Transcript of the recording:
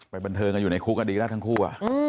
ไปบันเทิงกันอยู่ในคุกอดีตได้ทั้งคู่อ่ะ